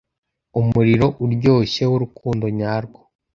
umuriro uryoshye w'urukundo nyarwo